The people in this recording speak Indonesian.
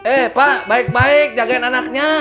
eh pak baik baik jagain anaknya